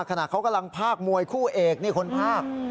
ขณะเขากำลังภาคมวยคู่เอกนี่คนภาค